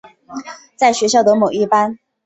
在学校的某一班。